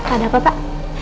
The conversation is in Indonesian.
ada apa pak